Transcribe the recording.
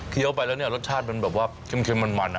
เคี้ยวไปแล้วนี่รสชาติมันแบบว่าเค็มมัน